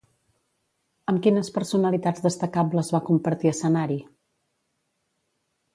Amb quines personalitats destacables va compartir escenari?